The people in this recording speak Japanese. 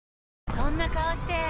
そんな顔して！